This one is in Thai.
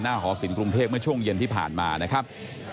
ในช่วงเย็นที่ผ่านมานะครับ